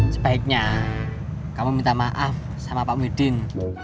sebaiknya kamu minta maaf sama pak muhydin